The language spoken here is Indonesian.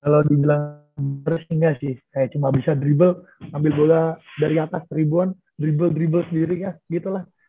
kalau dibilang beres ini gak sih kayak cuma bisa dribble ambil bola dari atas tribun dribble dribble sendiri ya gitu lah